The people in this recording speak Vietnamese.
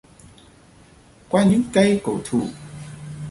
Qua những cái cây cổ thụ